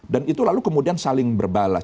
dan itu lalu kemudian saling berbalas